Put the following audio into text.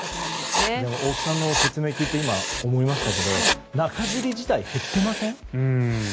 大木さんの説明を聞いて思いましたけど中づり自体減っていません？